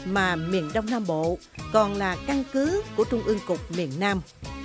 mà miền đông nam bộ còn là căn cứ của trung ương cục miền nam